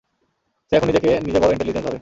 সে এখন নিজেকে নিজে বড় ইন্টেলিজেন্স ভাবে।